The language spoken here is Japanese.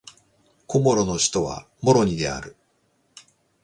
コモロの首都はモロニである